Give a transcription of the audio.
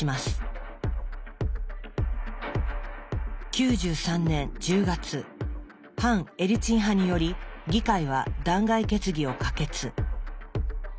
９３年１０月反エリツィン派により議会は弾劾決議を可決。